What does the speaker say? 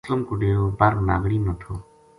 اسلم کو ڈیرو بر ناگنی ما تھو